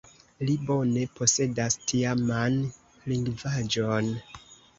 Li bone posedas tiaman lingvaĵon.